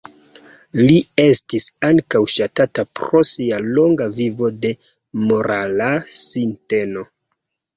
Li estis ankaŭ ŝatata pro sia longa vivo de morala sinteno.